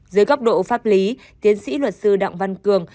dưới góc độ pháp lý tiến sĩ luật sư đặng văn cường